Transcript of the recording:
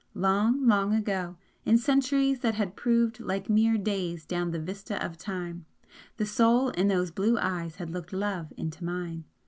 Long long ago, in centuries that had proved like mere days down the vista of time, the Soul in those blue eyes had looked love into mine!